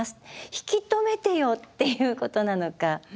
引き止めてよ！」っていうことなのか。